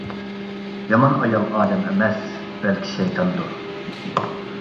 يامان ئايال ئادەم ئەمەس، بەلكى شەيتاندۇر.